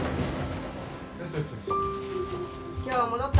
今日は戻った？